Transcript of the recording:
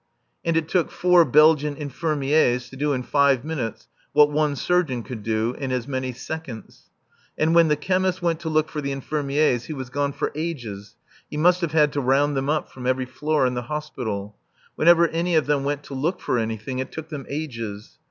And it took four Belgian infirmiers to do in five minutes what one surgeon could do in as many seconds. And when the chemist went to look for the infirmiers he was gone for ages he must have had to round them up from every floor in the Hospital. Whenever any of them went to look for anything, it took them ages.